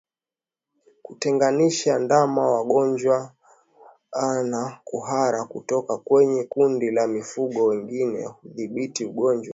Kutengenisha ndama wagonjwa wa kuhara kutoka kwenye kundi la mifugo wengine hudhibiti ugonjwa